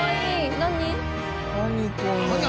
何？